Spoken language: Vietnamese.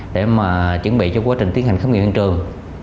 để mà chuẩn bị cho quá trình tiến hành khám nghiệm hiện trường